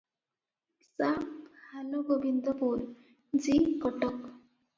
ସା:ହାଲ ଗୋବିନ୍ଦପୁର ଜି:କଟକ ।